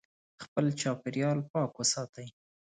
خپل چاپیریال پاک وساتئ.